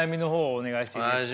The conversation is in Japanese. お願いします。